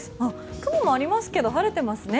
雲もありますけど晴れてますね。